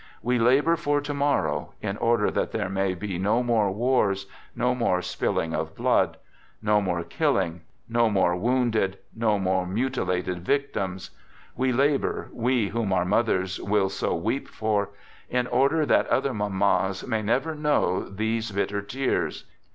We labor for to morrow, in order that there may be no more wars, no more spilling of blood, no more killing, no more wounded, no more mutilated victims; we labor, we whom our) mothers will so weep for, in order that other mamasj may never know these bitter tears.